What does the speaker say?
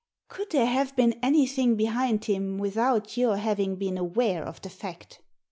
Could there have been anything behind him with out your having been aware of the fact